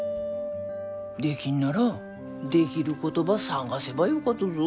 できんならできることば探せばよかとぞ。